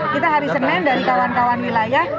kita hari senin dari kawan kawan wilayah